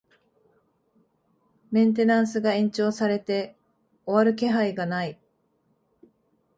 メンテナンスが延長されて終わる気配がない